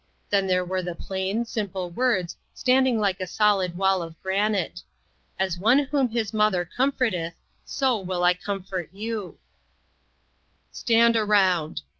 Then there were the plain, simple words standing like a solid wall of granite :" As one whom his mother comforteth, so will I comfort you." BUD IN SEARCH OF COMFORT. 285 "Stand around!"